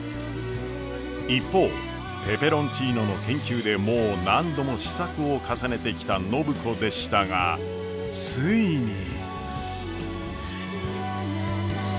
一方ペペロンチーノの研究でもう何度も試作を重ねてきた暢子でしたがついに。